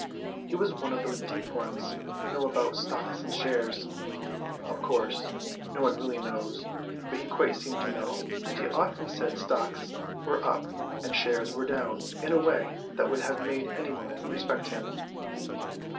He was one of those deep ones who know about stocks and shares. Of course no one really knows, but he quite seemed to know, and he often said stocks were up and shares were down in a way that would have made any woman respect him.